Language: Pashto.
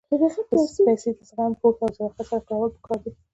پېسې د زغم، پوهې او صداقت سره کارول پکار دي.